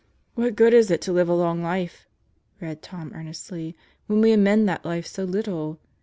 "What good is it to live a long life," read Tom earnestly, "when we amend that life so little?